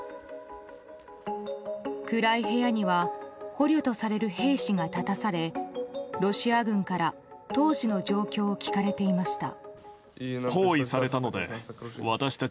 暗い部屋には捕虜とされる兵士が立たされロシア軍から当時の状況を聞かれていました。